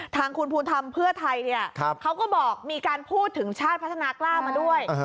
ทางคุณภูมิธรรมเพื่อไทยเขาก็บอกมีการพูดถึงชาติพัฒนากล้ามาด้วย